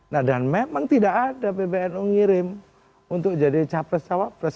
nah dan memang tidak ada pbnu ngirim untuk jadi capres cawapres